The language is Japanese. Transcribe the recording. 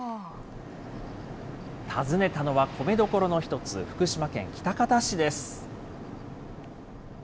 訪ねたのは米どころの一つ、福島県喜多方市です。